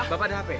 bapak ada hp